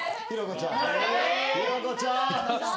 寛子ちゃん。